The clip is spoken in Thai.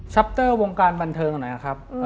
เตอร์วงการบันเทิงหน่อยครับ